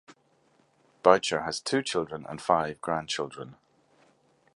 Boucher has two children and five grandchildren.